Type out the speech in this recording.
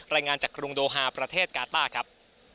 รายงานจากกรุงโดฮาประเทศกาต้าครับ